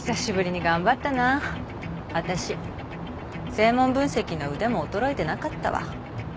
声紋分析の腕も衰えてなかったわ。